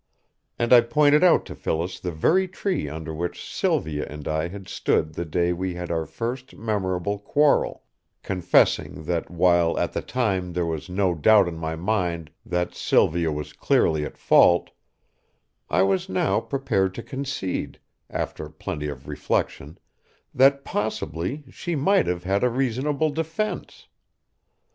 And I pointed out to Phyllis the very tree under which Sylvia and I had stood the day we had our first memorable quarrel, confessing that while at the time there was no doubt in my mind that Sylvia was clearly at fault, I was now prepared to concede, after plenty of reflection, that possibly she might have had a reasonable defence.